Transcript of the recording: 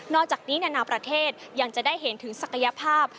อกจากนี้นานาประเทศยังจะได้เห็นถึงศักยภาพ